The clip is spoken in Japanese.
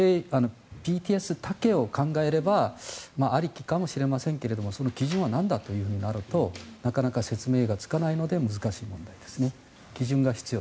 ＢＴＳだけを考えればありきかもしれませんがその基準はなんだというふうになるとなかなか説明がつかないので難しい問題ですね。